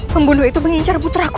pembunuh itu mengincar puteraku